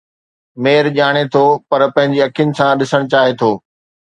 ميڙ ڄاڻي ٿو پر پنهنجي اکين سان ڏسڻ چاهي ٿو.